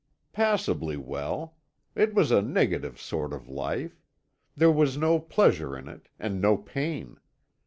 "Passably well. It was a negative sort of life. There was no pleasure in it, and no pain.